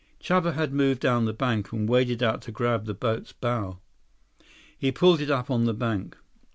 Chuba had moved down the bank, and waded out to grab the boat's bow. He pulled it up on the bank.